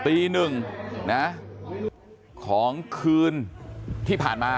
ตีหนึ่งนะของคืนที่ผ่านมา